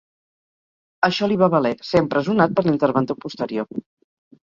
Això li va valer ser empresonat per l'interventor posterior.